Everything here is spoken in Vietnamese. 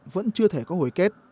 vẫn chưa thể có hồi kết